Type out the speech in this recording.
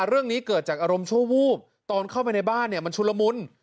เรื่องนี้เกิดจากอารมณ์ชั่ววูบตอนเข้าไปในบ้านเนี่ยมันชุลมุน